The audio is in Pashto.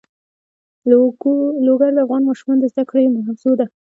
لوگر د افغان ماشومانو د زده کړې موضوع ده.